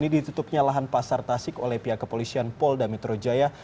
ini ditutupnya lahan pasar tasik oleh pihak kepolisian pol damitro jaya